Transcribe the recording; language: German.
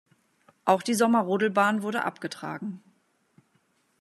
Auch die Sommerrodelbahn wurde abgetragen.